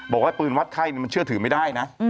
บอกว่าปืนวัดไข้มันเชื่อถือไม่ได้นะ